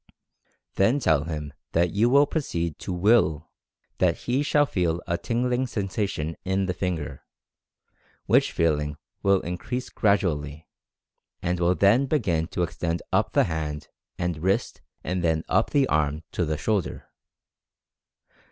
Then tell him that you will Experimental Fascination 95 proceed to WILL that he shall feel a tingling sensa tion in the finger, which feeling will increase grad ually, and will then begin to extend up the hand, and wrist and then up the arm to the shoulder.